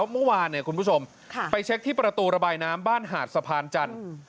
เมื่อวานเนี่ยคุณผู้ชมไปเช็คที่ประตูระบายน้ำบ้านหาดสะพานจันทร์